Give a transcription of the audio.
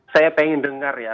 saya ingin dengar ya